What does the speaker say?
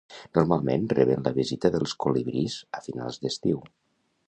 Normalment reben la visita dels colibrís a finals d'estiu.